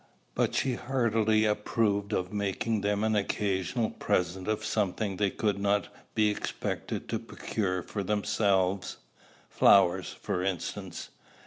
But she heartily approved of making them an occasional present of something they could not be expected to procure for themselves, flowers, for instance.